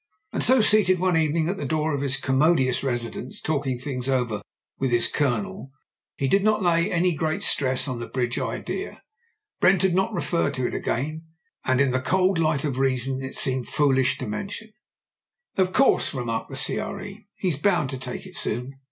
And so, seated one evening at the door of his com modious residence talking things over with his colonel, he did not lay any great stress on the bridge idea. •Brent had not referred to it again ; and in the cold light of reason it seemed too foolish to mention. "Of course," remarked the CR.E., he's bound to take it soon.